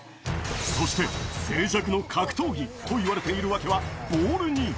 そして静寂の格闘技といわれている訳は、ボールに。